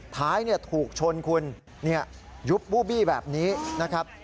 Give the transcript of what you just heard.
ท้ายถูกชนคุณยุบบูบี้แบบนี้นะครับ